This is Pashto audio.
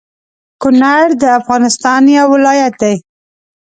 کونړ د افغانستان يو ولايت دى